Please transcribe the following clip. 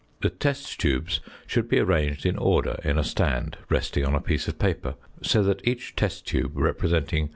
The test tubes should be arranged in order in a stand resting on a piece of paper, so that each test tube representing 0.